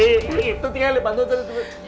itu tinggal di pantun